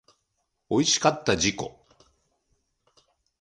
おいしかった自己